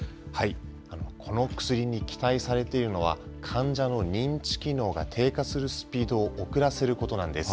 この薬に期待されているのは、患者の認知機能が低下するスピードを遅らせることなんです。